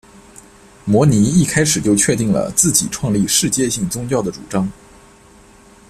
摩尼一开始就确定了自己创立世界性宗教的主张。